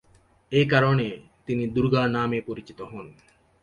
এ কারণে তিনি দুর্গা নামে পরিচিত হন।